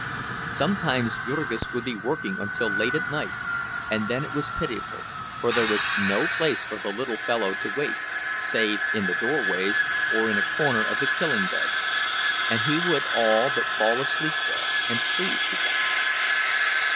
Sometimes Jurgis would be working until late at night, and then it was pitiful, for there was no place for the little fellow to wait, save in the doorways or in a corner of the killing beds, and he would all but fall asleep there, and freeze to death.